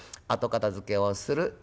後片づけをする。